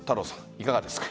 いかがですか？